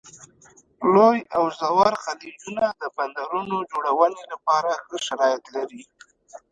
لوی او ژور خلیجونه د بندرونو جوړونې لپاره ښه شرایط لري.